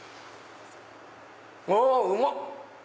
あうまっ！